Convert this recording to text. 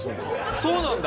そうなんだ！